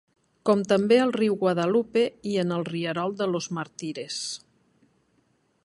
Com també al riu Guadalupe i en el rierol de Los Martires.